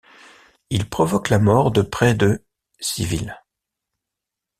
Ils provoquent la mort de près de civils.